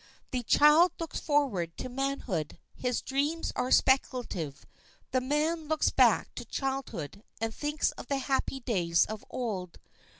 The child looks forward to manhood; his dreams are speculative; the man looks back to childhood, and thinks of the happy days of old.